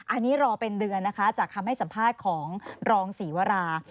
อันนี้รอเป็นเดือนนะคะจากคำให้สัมภาษณ์ของรองศรีวรา